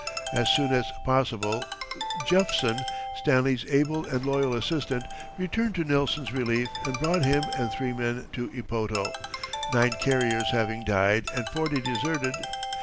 As soon as possible Jephson, Stanley's able and loyal assistant, returned to Nelson's relief and brought him and three men to Ipoto, nine carriers having died and forty deserted.